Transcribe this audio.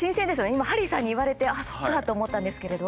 今ハリーさんに言われてあ、そっかと思ったんですけれど。